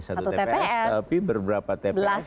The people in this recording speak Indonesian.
satu tps tapi beberapa tps